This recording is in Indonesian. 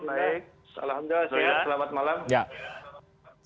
baik alhamdulillah selamat malam